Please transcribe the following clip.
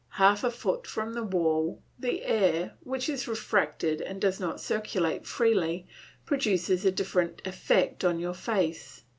Half a foot from a wall the air, which is refracted and does not circulate freely, produces a different effect on your face.